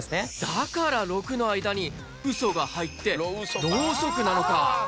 だから「ろく」の間に「嘘」が入って「ろうそく」なのか。